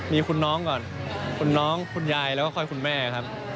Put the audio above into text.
มีคุณน้องก่อนคุณน้องคุณยายแล้วก็ค่อยคุณแม่ครับ